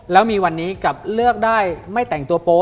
แล้วมีวันนี้กับเลือกได้ไม่แต่งตัวโป๊